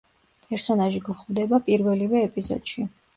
პერსონაჟი გვხვდება პირველივე ეპიზოდში.